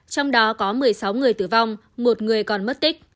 trong đó có một mươi sáu người tử vong một người còn mất tích